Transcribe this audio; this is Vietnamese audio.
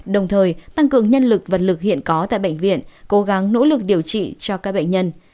đồng thời tăng cường nhân lực vật lực hiện có tại bệnh viện cố gắng nỗ lực điều trị cho các bệnh nhân